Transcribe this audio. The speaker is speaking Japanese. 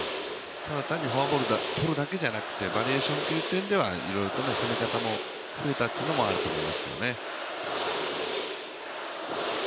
ただ単にフォアボールとるだけじゃなくてバリエーションという意味ではいろいろと使い方も増えたというのもあると思いますね。